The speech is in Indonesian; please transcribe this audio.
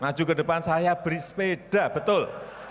maju ke depan saya beri sepeda betul